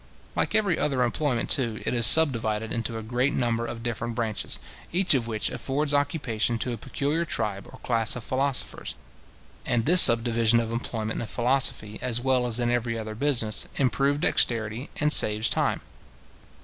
Like every other employment, too, it is subdivided into a great number of different branches, each of which affords occupation to a peculiar tribe or class of philosophers; and this subdivision of employment in philosophy, as well as in every other business, improves dexterity, and saves time.